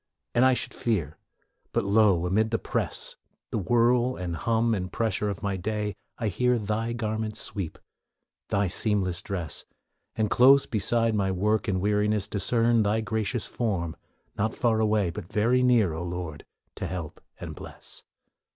And I should fear, but lo! amid the press, The whirl and hum and pressure of my day, I hear Thy garment's sweep, Thy seamless dress, And close beside my work and weariness Discern Thy gracious form, not far away, But very near, O Lord, to help and bless.